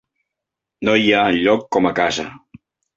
No hi ha enlloc com a casa.